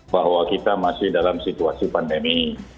bahwa kita masih dalam situasi pandemi